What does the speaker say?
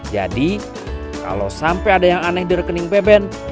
jadi kalau sampai ada yang aneh di rekening beben